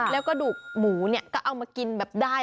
แล้วกระดูกหมูเนี่ยก็เอามากินแบบได้